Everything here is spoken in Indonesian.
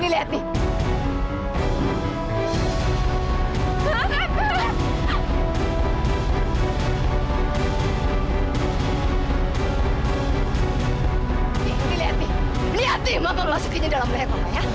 lihat ini lihat ini mama melaksukinya di dalam leher ma